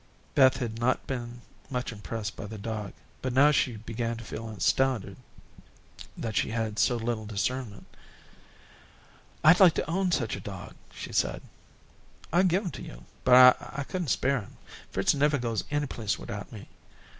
Beth had not been much impressed by the dog, but now she began to feel astounded that she had had so little discernment. "I'd like to own such a dog," she said. "I'd give him to yo', only I couldn't spare him. Fritz never goes any place widout me.